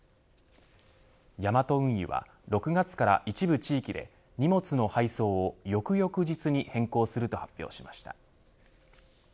ヤマト運輸は６月から一部地域で荷物の配送を翌々日に変更すると発表しました。